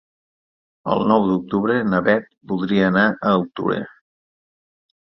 El nou d'octubre na Beth voldria anar a Altura.